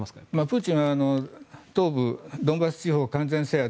プーチンは東部ドンバス地方完全制圧